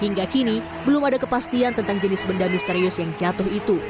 hingga kini belum ada kepastian tentang jenis benda misterius yang jatuh itu